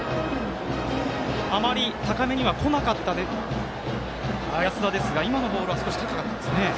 あまり、高めにはこなかった安田ですが今のボールは少し高かったですね。